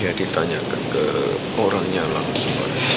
ya ditanyakan ke orangnya langsung